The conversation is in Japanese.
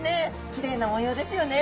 きれいな模様ですよね。